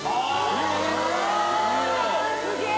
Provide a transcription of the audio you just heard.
「すげえ！」